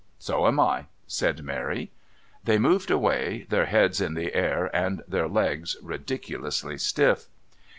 "So am I," said Mary. They moved away, their heads in the air and their legs ridiculously stiff.